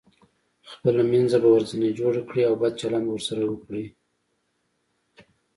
خپله وينځه به ورځنې جوړه کړئ او بد چلند به ورسره وکړئ.